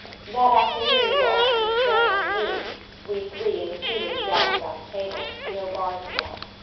That afternoon we were all sitting together on the roof we three and the tutors gathered about a table, no guards about.